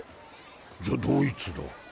じゃあどいつだ？